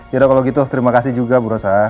ya kalau gitu terima kasih juga bu rosa